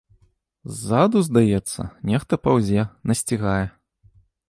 Ззаду, здаецца, нехта паўзе, насцігае.